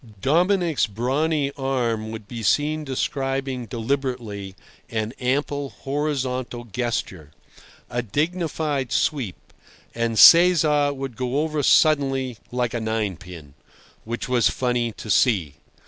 Dominic's brawny arm would be seen describing deliberately an ample horizontal gesture, a dignified sweep, and Cesar would go over suddenly like a ninepin—which was funny to see.